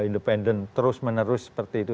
independen terus menerus seperti itu